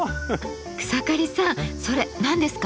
草刈さんそれ何ですか？